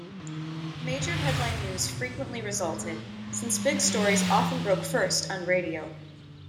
Major headline news frequently resulted, since big stories often broke first on radio.